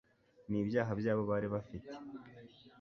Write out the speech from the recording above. n'ibyaha byabo bari bafite